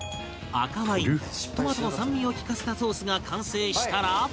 赤ワイントマトの酸味を利かせたソースが完成したら